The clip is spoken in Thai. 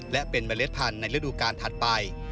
และเป็นเมล็ดพันธุ์ในฤดูการถัดไป